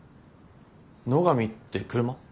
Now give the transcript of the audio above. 野上って車？